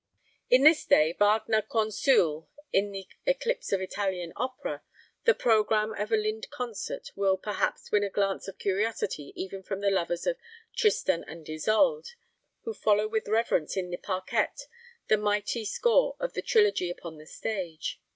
In this day, Wagner consule, of the eclipse of Italian opera, the programme of a Lind concert will perhaps win a glance of curiosity even from the lovers of "Tristan und Isolde," who follow with reverence in the parquette the mighty score of the trilogy upon the stage.